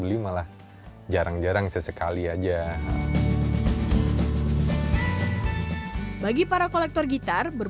bagi para kolektor gitar infector bisa sangat murah dibanding di luar negre